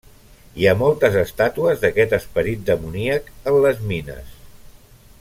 Hi ha moltes estàtues d'aquest esperit demoníac en les mines.